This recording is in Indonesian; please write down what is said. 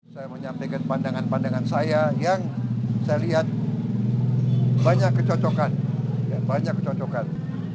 saya menyampaikan pandangan pandangan saya yang saya lihat banyak kecocokan